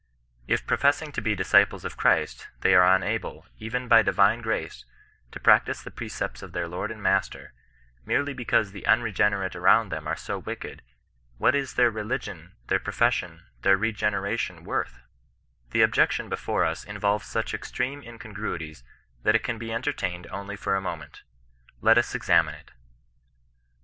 If professing to be disciples of Christ, they are imable, even by divine grace, to practise the precepts of their Lord uid Master, merely because the unregenerate around them «re ao ^wicked; what is their Teligiern, their profesnon, their regeneration worth 9 The objection before us involves such extreme incon gruities, that it can be entertained only for a moment. Xiet us examine it.